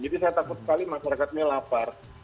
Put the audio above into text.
jadi saya takut sekali masyarakat ini lapar